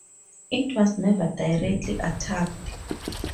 It was never directly attacked.